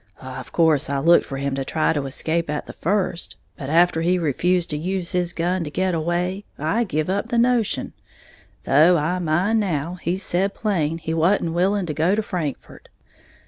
Of course I looked for him to try to escape at the first; but after he refused to use his gun to get away, I give up the notion, though I mind now he said plain he wa'n't willing to go to Frankfort.